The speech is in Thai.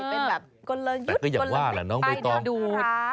เป็นแบบกลยุทธกลยุทธไปดูดรัก